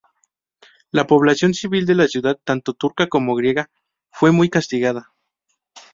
La población civil de la ciudad, tanto turca como griega, fue muy castigada.